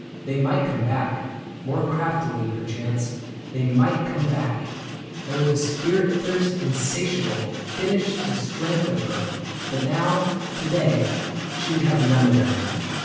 They might come back — 14© THE BOOK OF ANNANDALE More craftily, perchance, they might come back — And with a spirit thirst insatiable Finish the strength of her ; but now, to day She would have none of them.